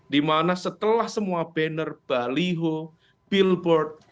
dimana setelah semua banner baliho billboard